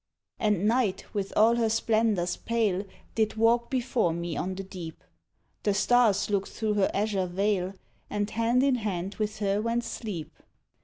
And Night with all her splendours pale Did walk before me on the deep, The stars looked through her azure veil, And hand in hand with her went Sleep.